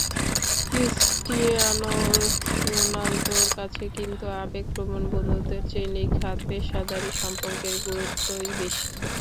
Cristiano রোনালদোর কাছে কিন্তু আবেগপ্রবণ বন্ধুত্বের চেয়ে নিখাদ পেশাদারি সম্পর্কের গুরুত্বই বেশি।